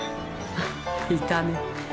あっいたね。